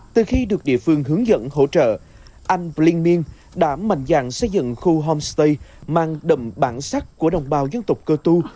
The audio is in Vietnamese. từ khi được địa phương hướng dẫn hỗ trợ anh blin miên đã mạnh dạng xây dựng khu homestay mang đậm bản sắc của đồng bào dân tộc cơ tu